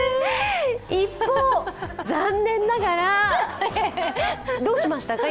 一方、残念ながらどうしましたか？